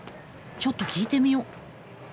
ちょっと聞いてみよう。